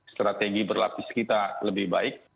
strategi berlapis kita lebih baik